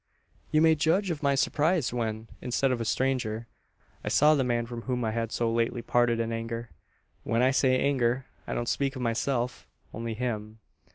"You may judge of my surprise when, instead of a stranger, I saw the man from whom I had so lately parted in anger. When I say anger, I don't speak of myself only him.